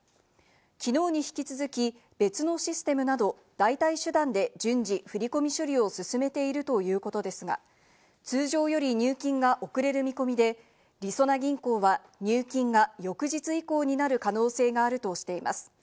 きのうに引き続き、別のシステムなど、代替手段で順次振り込み処理を進めているということですが、通常より入金が遅れる見込みで、りそな銀行は入金が翌日以降になる可能性があるとしています。